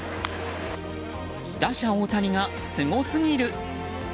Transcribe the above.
打者・大谷がすごすぎる！